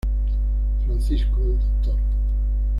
Francisco, el Dr.